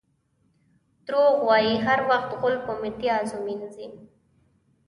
دروغ وایي؛ هر وخت غول په میتیازو مینځي.